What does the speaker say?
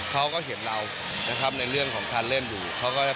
เขาก็เห็นเรานะครับในเรื่องของการเล่นอยู่เขาก็จะ